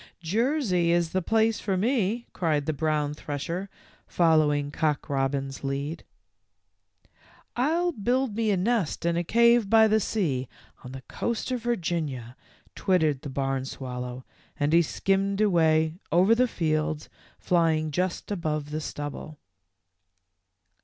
"Jersey is the place for me," cried the brown thresher, following Cock^robin's lead. " I '11 build me a nest in a cave by the sea on the coast of Virginia," twittered the barnswal low, and he skimmed away over the fields, fly ing just above the stubble.